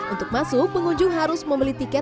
untuk masuk pengunjung harus membeli tiket